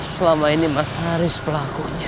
selama ini mas haris pelakunya